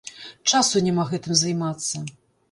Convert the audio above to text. Часу няма гэтым займацца.